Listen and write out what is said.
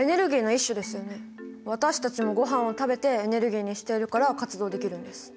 私たちもごはんを食べてエネルギーにしているから活動できるんです。